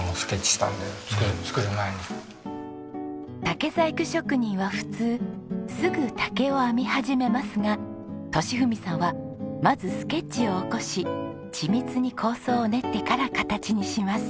竹細工職人は普通すぐ竹を編み始めますが利文さんはまずスケッチを起こし緻密に構想を練ってから形にします。